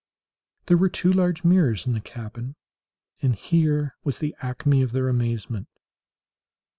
There were two large mirrors in the cabin, and here was the acme of their amazement.